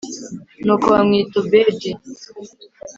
nuko bamwita obedi